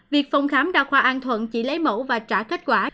việc phòng khám đa khoa an thuận chỉ lấy mẫu và trả kết quả